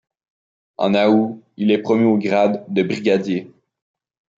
En aout, il est promu au grade de brigadier.